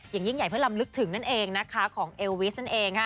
ยิ่งใหญ่เพื่อลำลึกถึงนั่นเองนะคะของเอลวิสนั่นเองค่ะ